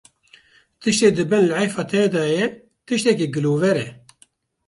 tiştê di bin lihêfa te de ye tiştekî gilover e